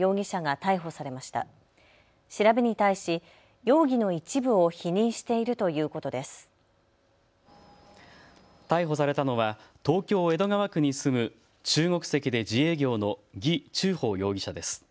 逮捕されたのは東京江戸川区に住む中国籍で自営業の魏忠宝容疑者です。